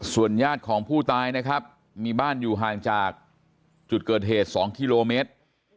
ส่วนญาติของผู้ตายนะครับมีบ้านอยู่ห่างจากจุดเกิดเหตุ๒กิโลเมตร